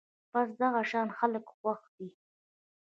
بس دغه شان خلک خوښ دي